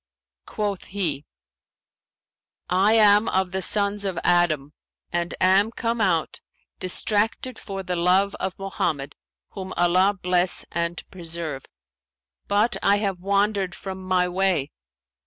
Quoth he, 'I am of the sons of Adam and am come out, distracted for the love of Mohammed (whom Allah bless and preserve!); but I have wandered from my way.'